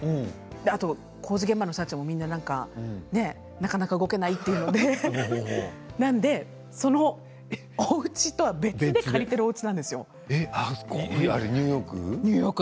あと工事現場の社長も、なかなか動けないというのでなので、そのおうちとは別に借りているおうちなんですよ。